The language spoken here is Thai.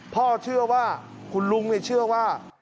พ่อเชื่อว่าคุณลุงเชื่อว่า